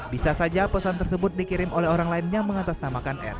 bisa saja pesan tersebut dikirim oleh orang lain yang mengatasnamakan r